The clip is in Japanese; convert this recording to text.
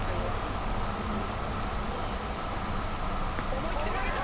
思い切って投げた！